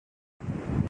خاصی بہتر رہی ہے۔